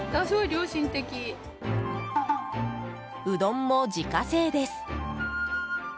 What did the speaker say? うどんも自家製です。